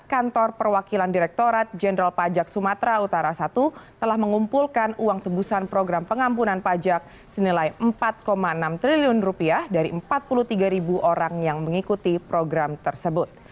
kantor perwakilan direktorat jenderal pajak sumatera utara i telah mengumpulkan uang tebusan program pengampunan pajak senilai empat enam triliun dari empat puluh tiga orang yang mengikuti program tersebut